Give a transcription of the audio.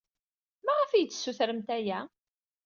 Maɣef ay iyi-d-tessutremt aya?